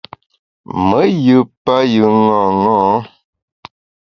Me yù payù ṅaṅâ.